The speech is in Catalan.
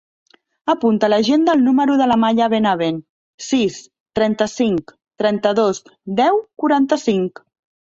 Apunta a l'agenda el número de la Maya Benavent: sis, trenta-cinc, trenta-dos, deu, quaranta-cinc.